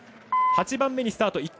８番目にスタート